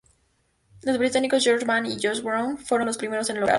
Los británicos George Band y Joe Brown fueron los primeros en lograrlo.